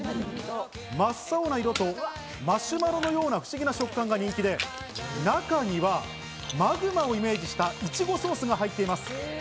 真っ青な色とマシュマロのような不思議な食感が人気で、中にはマグマをイメージしたイチゴソースが入っています。